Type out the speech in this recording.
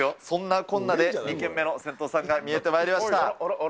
そんなこんなで２軒目の銭湯さんが見えてまいりました。